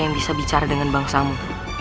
yang bisa bicara dengan bangsamu